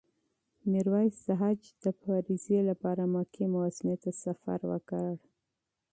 میرویس د حج د فریضې لپاره مکې معظمې ته سفر وکړ.